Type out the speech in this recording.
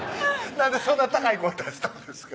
なんでそんな高い声出したんですか？